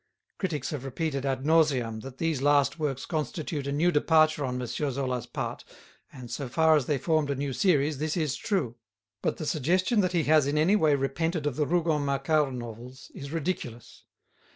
Critics have repeated ad nauseam that these last works constitute a new departure on M. Zola's part, and, so far as they formed a new series, this is true. But the suggestion that he has in any way repented of the Rougon Macquart novels is ridiculous.